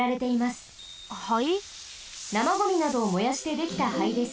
なまゴミなどを燃やしてできた灰です。